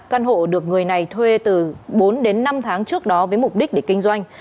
căn hộ được người này thuê từ bốn đến năm tháng trước đó với mục đích để kinh doanh